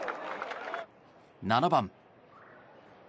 ７番。